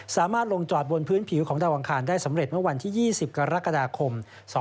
สามารถลงจอดบนพื้นผิวของดาวอังคารได้สำเร็จเมื่อวันที่๒๐กรกฎาคม๒๕๖๒